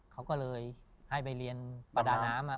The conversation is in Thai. เขาก็เลยให้ไปเรียนประดาน้ำ